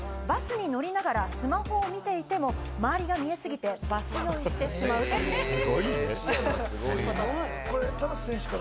広い視野の持ち主で、バスに乗りながらスマホを見ていても、周りが見えすぎて、バス酔いをしてしまうということです。